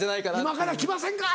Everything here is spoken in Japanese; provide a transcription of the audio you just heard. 「今から来ませんか？」